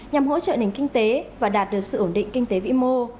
nhằm hỗ trợ nền kinh tế và đạt được sự ổn định kinh tế vĩ mô